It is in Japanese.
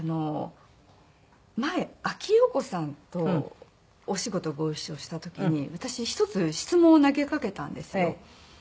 前阿木燿子さんとお仕事をご一緒した時に私一つ質問を投げかけたんですよ。